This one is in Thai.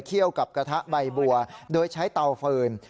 เคี่ยวกับกระทะใบบัวโดยใช้เตาฝืน